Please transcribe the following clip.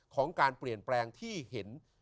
ของการเปลี่ยนแปลงที่เห็น